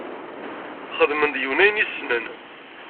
Xedmen deg-wen ayen i ssnen.